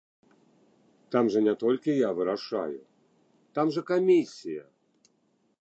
Там жа не толькі я вырашаю, там жа камісія.